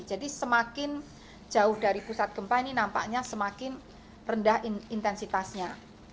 jadi semakin jauh dari pusat gempa ini nampaknya semakin rendah intensitasnya